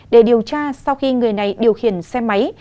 để điều tra sau khi người này điều khiển xe máy